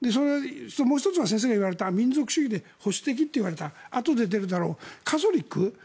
もう１つは先生が言われた民族主義で保守的と言われたあとで出るだろうカトリック。